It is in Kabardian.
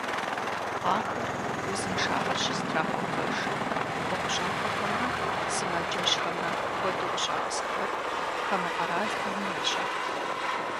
Ахэр узыншагъэр щызэтрагъэувэж ӏуэхущӏапӏэхэмрэ сымаджэщхэмрэ куэду къыщагъэсэбэп, хамэ къэралхэми ящэху.